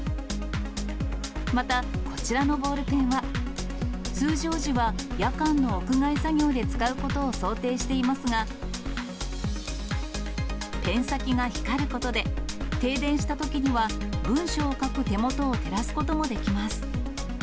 また、こちらのボールペンは、通常時は夜間の屋外作業で使うことを想定していますが、ペン先が光ることで、停電したときには文章を書く手元を照らすこともできます。